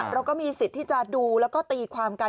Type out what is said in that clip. เราก็มีสิทธิ์ที่จะดูแล้วก็ตีความกัน